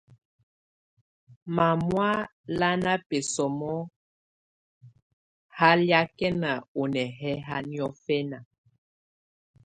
Mámɔ́á lá ná bísómó hálɛ̀ákɛna ú nɛhɛ́yɛ niɔ́fɛna.